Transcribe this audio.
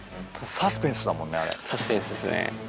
サスペンスっすね。